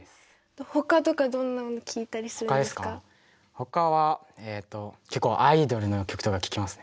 ほかはえっと結構アイドルの曲とか聴きますね。